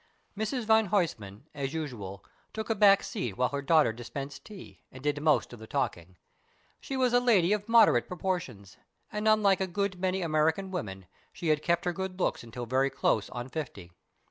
Mrs van Huysman, as usual, took a back seat while her daughter dispensed tea, and did most of the talking. She was a lady of moderate proportions, and, unlike a good many American women, she had kept her good looks until very close on fifty.